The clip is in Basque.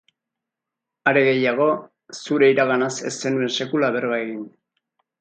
Are gehiago, zure iraganaz ez zenuen sekula berba egin.